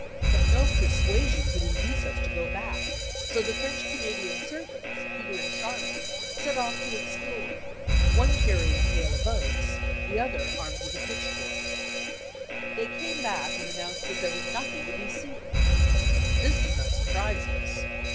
But no persua sion could induce us to go back, so the French Canadian servants, Peter and Charlotte, set off to explore, one carry ing a pail of oaa, the other armed with a pitchfork. They came back and announced that there was nothing to be seen. This did not surprise us.